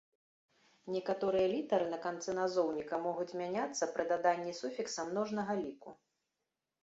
Некаторыя літары на канцы назоўніка могуць мяняцца пры даданні суфікса множнага ліку.